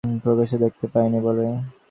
প্রকাশ্যে দেখতে পাই নে বলে।